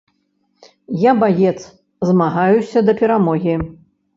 Я баец, змагаюся да перамогі.